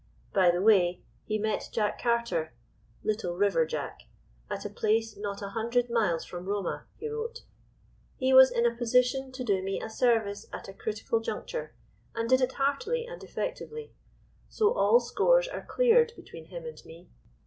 By the way, he met Jack Carter (Little River Jack) at a place not a hundred miles from Roma (he wrote). "He was in a position to do me a service at a critical juncture, and did it heartily and effectively. So all scores are cleared between him and me.